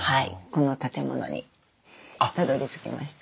この建物にたどりつきました。